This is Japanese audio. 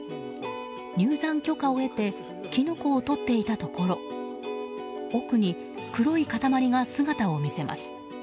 入山許可を得てキノコを採っていたところ奥に黒い塊が姿を見せます。